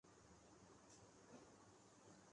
Note آپ کی جیب میں ہوں۔